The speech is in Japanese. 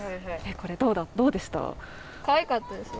どうでした？